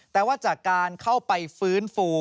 แต่ว่าจากการเข้าไปฟื้นฟู